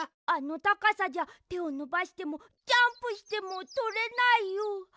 あのたかさじゃてをのばしてもジャンプしてもとれないよ。